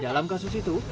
dalam kasus itu